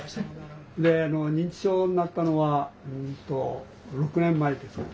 認知症になったのはうんと６年前ですか。